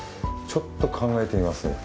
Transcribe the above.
ちょっと考えてみます。